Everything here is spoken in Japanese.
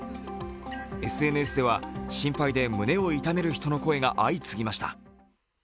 ＳＮＳでは心配で胸を痛める人の声えが相次ぎました。